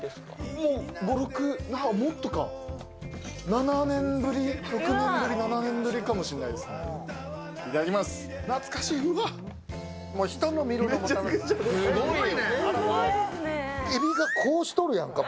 もっとか、７年ぶり、６年ぶり、７年ぶりかもしれないですね。